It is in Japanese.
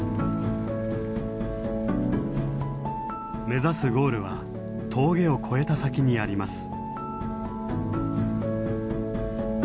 目指すゴールは峠を越えた先にあります。